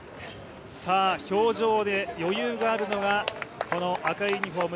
表情で余裕があるのがこの赤いユニフォーム